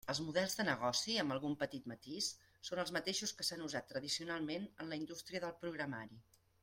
Els models de negoci, amb algun petit matís, són els mateixos que s'han usat tradicionalment en la indústria del programari.